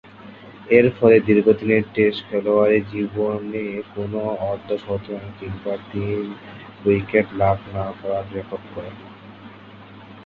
এরফলে, দীর্ঘদিনের টেস্ট খেলোয়াড়ী জীবনে কোন অর্ধ-শতরান কিংবা তিন উইকেট লাভ না করার রেকর্ড গড়েন।